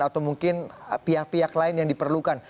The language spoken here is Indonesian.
atau mungkin pihak pihak lain yang diperlukan